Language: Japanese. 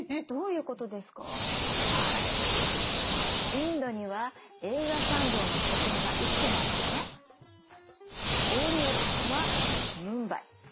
インドには映画産業の拠点がいくつもあってねボリウッドはムンバイ。